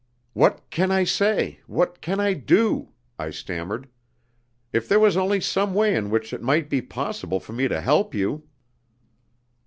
"What can I say what can I do?" I stammered. "If there was only some way in which it might be possible for me to help you."